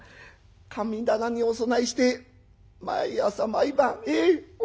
神棚にお供えして毎朝毎晩ええ拝みますよ。